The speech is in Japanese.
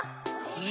え。